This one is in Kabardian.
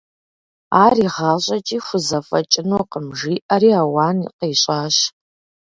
Ар игъащӏэкӏи хузэфӏэкӏынукъым, – жиӏэри ауан къищӏащ.